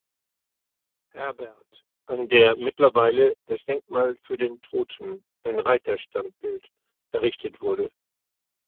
Herbert, an der mittlerweile das Denkmal für den Toten, ein Reiterstandbild, errichtet wurde.